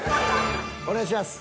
お願いします。